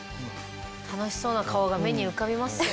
楽しそうな顔が目に浮かびますよ